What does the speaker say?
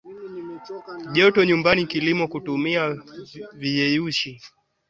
joto nyumbani kilimo kutumia viyeyushi mafuta na uzalishaji wa gesi